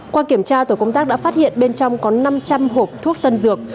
qua kiểm tra tổ công tác đã phát hiện bên trong có năm trăm linh hộp thuốc tân dược